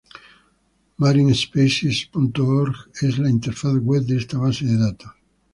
MarineSpecies.org es la interfaz web de esta base de datos.